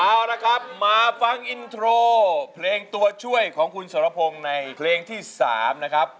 เอาละครับมาฟังอินโทรเพลงตัวช่วยของคุณสรพงศ์ในเพลงที่๓นะครับ